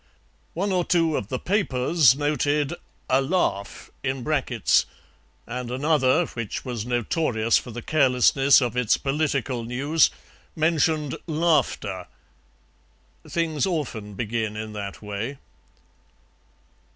One or two of the papers noted "a laugh" in brackets, and another, which was notorious for the carelessness of its political news, mentioned "laughter." Things often begin in that way.